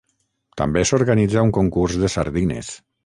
També s'organitza un concurs de sardines.